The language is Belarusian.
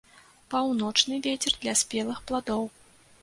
Паўночны вецер для спелых пладоў.